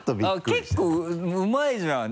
結構うまいじゃん。